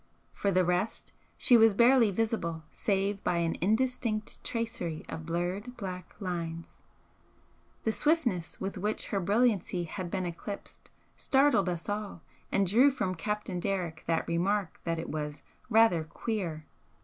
For the rest, she was barely visible save by an indistinct tracery of blurred black lines. The swiftness with which her brilliancy had been eclipsed startled us all and drew from Captain Derrick the remark that it was 'rather queer.'